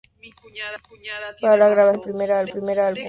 Para la grabación del primer álbum se incorporó el tecladista Ciro Fogliatta.